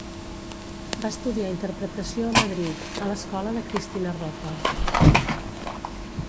Va estudiar interpretació a Madrid, a l'Escola de Cristina Rota.